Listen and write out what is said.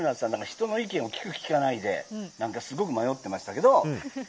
人の意見を聞く、聞かないで何かすごく迷ってましたけど。